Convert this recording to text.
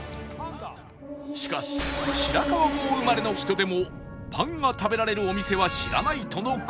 しかし白川郷生まれの人でもパンが食べられるお店は知らないとの事